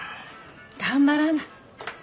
頑張らな。